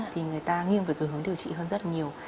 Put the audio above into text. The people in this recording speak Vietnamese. thì người ta nghiêng về cái hướng điều trị hơn rất là nhiều